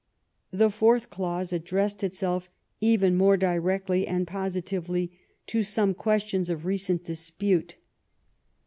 The fourth clause addressed itself even more directly and posi tively to some questions of recent dispute.